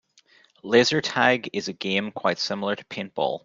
Laser tag is a game quite similar to paintball.